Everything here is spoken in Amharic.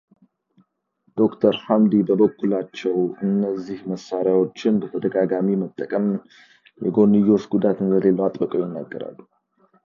ዶክተር ሃምዲ በበኩላቸው እነዚህ መሳሪያዎችን በተደጋጋሚ መጠቀም የጎንዮሽ ጉዳት እንደሌለው አጥብቀው ይናገራሉ።